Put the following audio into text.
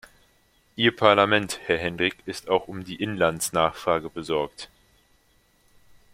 Ihr Parlament, Herr Hendrick, ist auch um die Inlandsnachfrage besorgt.